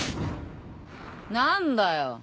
何だよ。